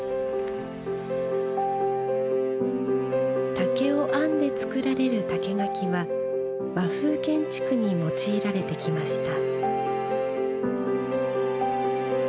竹を編んで作られる竹垣は和風建築に用いられてきました。